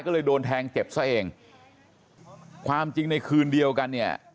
ก็เลยโดนแทงเจ็บซะเองความจริงในคืนเดียวกันเนี่ย